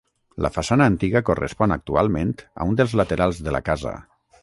La façana antiga correspon actualment a un dels laterals de la casa.